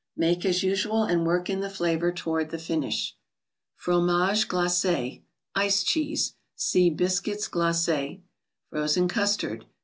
Make as usual, and work in the flavor toward the fin¬ ish. frontage d5iace (3Ice*Ctyee$e). (See Biscuits Glacis.) frozen CusstarD.